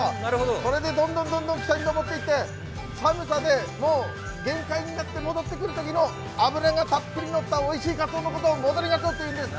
それでどんどん北にのぼっていって、寒さで限界になって戻ってくると木の脂がたっぷり乗ったおいしいかつおのをことを戻りがつおっていうんです。